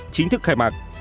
chính thức khai mạc